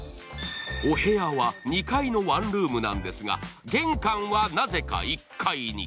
お部屋は２階のワンルームなんですが玄関はなぜか１階に。